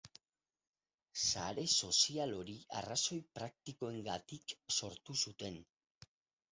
Sare sozial hori arrazoi praktikoengatik sortu zuten.